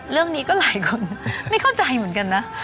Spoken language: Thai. เรื่องนี้ก็หลายคนไม่เข้าใจเหมือนกันนะ